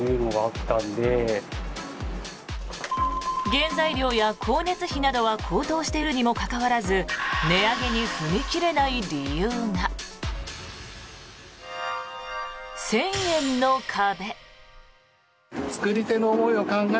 原材料や光熱費などは高騰しているにもかかわらず値上げに踏み切れない理由が１０００円の壁。